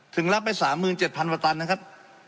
ถึงรับไปสามหมื่นเจ็ดพันวัตตันนะครับ